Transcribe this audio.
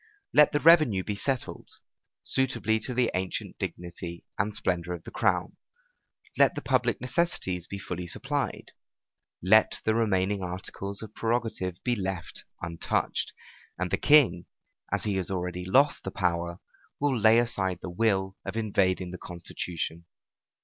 Let the revenue be settled, suitably to the ancient dignity and splendor of the crown; let the public necessities be fully supplied; let the remaining articles of prerogative be left untouched; and the king, as he has already lost the power, will lay aside the will, of invading the constitution.